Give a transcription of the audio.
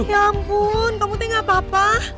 ya ampun kamu tuh gak apa apa